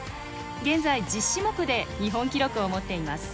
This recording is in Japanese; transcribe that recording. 現在、１０種目で日本記録を持っています。